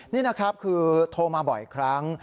นี่นะครับคือโทรมาบ่อยครั้ง